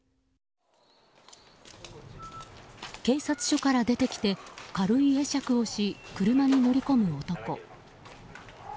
警察署から出てきて軽い会釈をし、車に乗り込む男。